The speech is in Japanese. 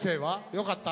よかった？